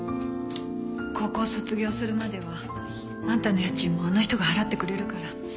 高校卒業するまではあんたの家賃もあの人が払ってくれるから